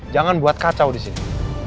jangan buat kacau di sini